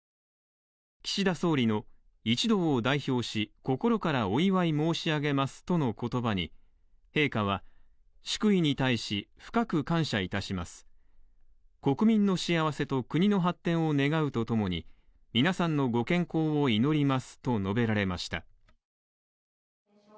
岸田総理の一同を代表し心からお祝い申し上げとの言葉に陛下は祝意に対し深く感謝いたします、国民の幸せと国の発展を願うとともに皆さんのご健康を祈りますと述べられました。